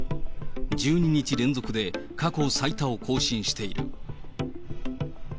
１２日連続で過去最多を更新している。